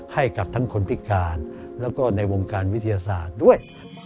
ให้กับทั้งคนพิการแล้วก็ในวงการวิทยาศาสตร์ด้วย